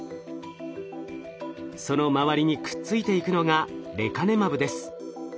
その周りにくっついていくのがレカネマブです。